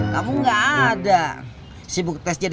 kakak nak sin duluan